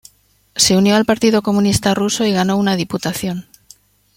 Se unió al Partido Comunista ruso y ganó una diputación.